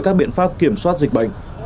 các biện pháp kiểm soát dịch bệnh